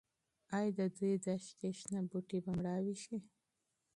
ايا د دښتې شنه بوټي به مړاوي شي؟